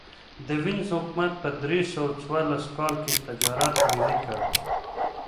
د وینز حکومت په درې سوه څوارلس کال کې تجارت ملي کړ